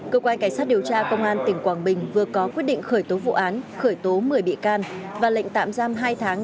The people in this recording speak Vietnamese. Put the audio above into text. cơ quan cảnh sát điều tra công an tỉnh quảng bình vừa có quyết định khởi tố vụ án khởi tố một mươi bị can và lệnh tạm giam hai tháng